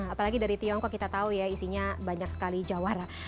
apalagi dari tiongkok kita tahu ya isinya banyak sekali jawara